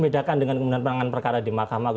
membedakan dengan pengadilan perkara di mahkamah